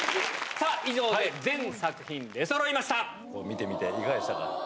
さあ、以上で全作品、出そろ見てみて、いかがでしたか？